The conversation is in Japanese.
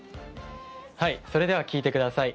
はいそれでは聴いてください。